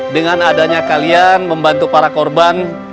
dengan adanya kalian membantu para korban